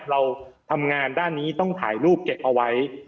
เราทำงานด้านนี้ต้องถ่ายรูปเก็บเอาไว้